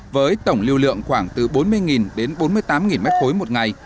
với tổng lưu lượng khoảng từ bốn mươi đến bốn mươi tám m ba một ngày